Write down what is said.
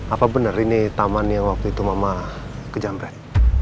apa benar ini taman yang waktu itu mama kejamret